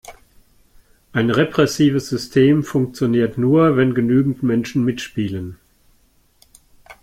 Ein repressives System funktioniert nur, wenn genügend Menschen mitspielen.